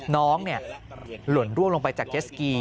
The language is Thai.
น้องหล่นร่วงลงไปจากเย็ดสกี